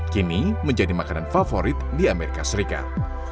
kini menjadi makanan favorit di amerika serikat